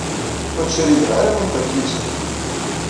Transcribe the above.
Ur ttcerrigeɣ ara iferki-nsen.